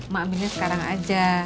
mak ambilnya sekarang aja